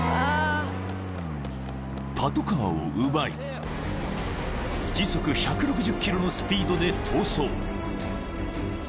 ［パトカーを奪い時速１６０キロのスピードで逃走］